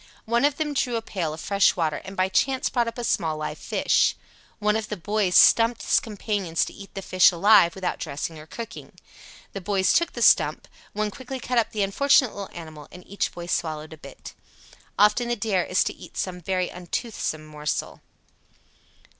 One of them drew a pail of fresh water and by chance brought up a small live fish. One of the boys "stumped" his companions to eat the fish alive, without dressing or cooking. The boys took the "stump," one quickly cut up the unfortunate little animal and each boy swallowed a bit. Often the dare is to eat some very untoothsome morsel.